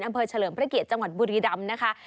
เฉลิมพระเกียรติจังหวัดบุรีรำนะคะ